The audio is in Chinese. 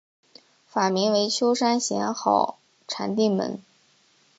法名为休山贤好禅定门。